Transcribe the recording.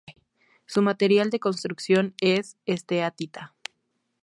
Su material de construcción es esteatita.